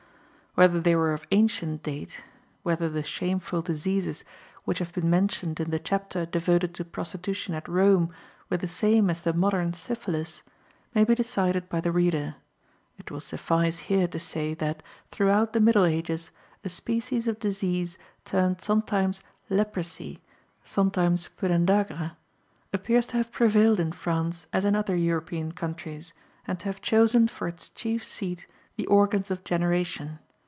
Whether they were of ancient date whether the "shameful diseases" which have been mentioned in the chapter devoted to prostitution at Rome were the same as the modern syphilis may be decided by the reader. It will suffice here to say that, throughout the Middle Ages, a species of disease, termed sometimes leprosy, sometimes pudendagra, appears to have prevailed in France as in other European countries, and to have chosen for its chief seat the organs of generation.